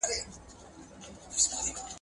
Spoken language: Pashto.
اشاره کول کله ناکله د پوهولو لپاره کافي وي.